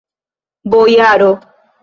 Bojaro!